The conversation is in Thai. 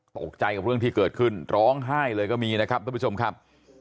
ตกใจกับเรื่องที่เกิดขึ้นร้องไห้เลยก็มีนะครับทุกผู้ชมครับ